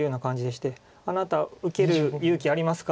「あなた受ける勇気ありますか？」